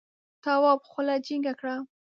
تواب خوله جینگه کړه.